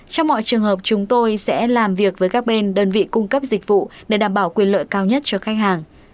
trong mọi trường hợp chúng tôi sẽ làm việc với các bên đơn vị cung cấp dịch vụ để đảm bảo quyền lợi cao nhất cho khách hàng